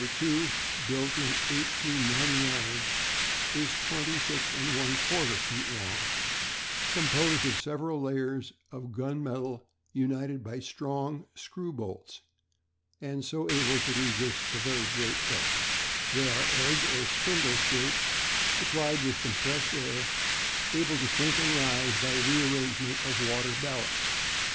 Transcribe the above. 2_, built in 1899, is 26 1/4 feet long, composed of several layers of gun metal united by strong screw bolts, and so able to resist very great pressure. They are egg or spindle shaped, supplied with compressed air, able to sink and rise by rearrangement of water ballast.